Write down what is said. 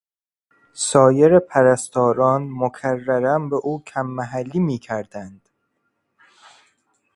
سایر پرستاران مکررا به او کم محلی میکردند.